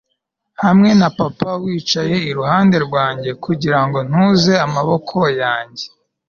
hamwe na Papa wicaye iruhande rwanjye kugirango ntuze amaboko yanjye